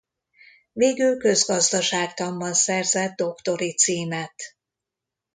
Végül közgazdaságtanban szerzett doktori címet.